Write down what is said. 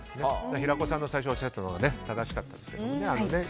平子さんが最初おっしゃったのが正しかったですね。